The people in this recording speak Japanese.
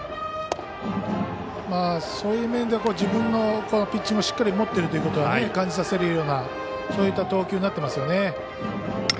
そういう面では自分のピッチングをしっかり持っているということは感じさせるような投球になっていますよね。